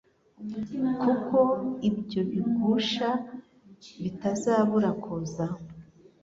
Kuko ibyo bigusha bitazabura kuza. »